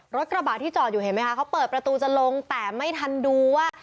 รถกระบะที่จอดอยู่เห็นไหมคะเขาเปิดประตูจะลงแต่ไม่ทันดูว่า